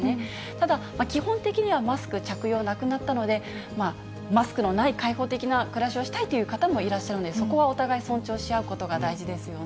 ただ、基本的にはマスク着用なくなったので、マスクのない開放的な暮らしをしたいという方もいらっしゃるので、そこはお互い尊重し合うことが大事ですよね。